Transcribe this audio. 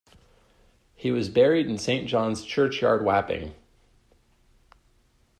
He was buried in Saint John's Churchyard Wapping.